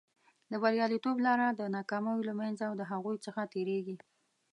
د بریالیتوب لاره د ناکامیو له منځه او د هغو څخه تېرېږي.